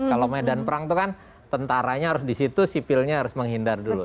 kalau medan perang itu kan tentaranya harus di situ sipilnya harus menghindar dulu